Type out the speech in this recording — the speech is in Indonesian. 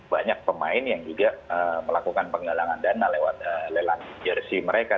banyak pemain yang juga melakukan penggalangan dana lewat lelang jersi mereka